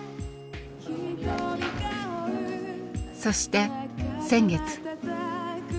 そして先月。